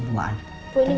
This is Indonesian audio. untuk lewat teddy